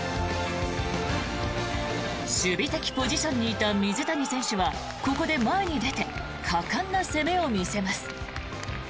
守備的ポジションにいた水谷選手はここで前に出て果敢な攻めを見せます。